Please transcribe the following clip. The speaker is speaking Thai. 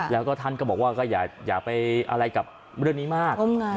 แล้วก็ท่านก็บอกว่าก็อย่าไปอะไรกับเรื่องนี้มาก